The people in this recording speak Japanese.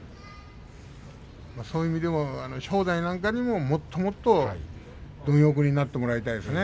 そういう意味では正代なんかにも、もっともっと貪欲になってもらいたいですね。